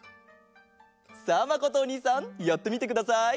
さあまことおにいさんやってみてください。